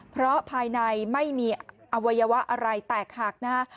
เพราะภายในไม่มีอวัยวะอะไรแตกหักนะฮะ